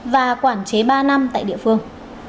và quản chế ba năm tại địa phương